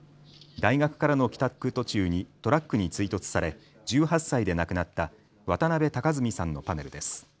大学からの帰宅途中にトラックに追突され１８歳で亡くなった渡邊敬純さんのパネルです。